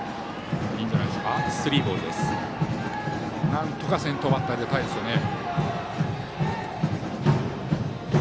なんとか先頭バッター出たいですね。